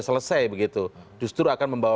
selesai begitu justru akan membawa